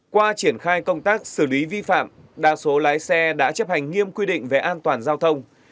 qua triển khai công tác xử lý vi phạm đa số lái xe đã chấp hành nghiêm quy định về an toàn giao thông